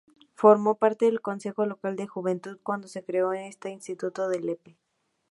Formó parte del Consejo Local de Juventud cuando se creó esta institución en Lepe.